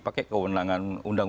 pakai keundangan dua puluh enam